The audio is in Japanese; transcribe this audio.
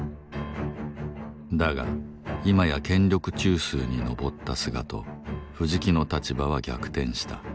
だが今や権力中枢に上った菅と藤木の立場は逆転した。